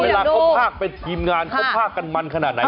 เวลาเขาพากเป็นทีมงานเขาพากกันมันขนาดไหน